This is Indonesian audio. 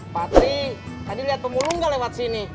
patri tadi lihat pemulung gak lewat sini